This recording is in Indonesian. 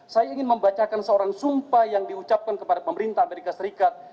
saya ingin membacakan seorang sumpah yang diucapkan kepada pemerintah amerika serikat